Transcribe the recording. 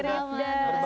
terima kasih rivda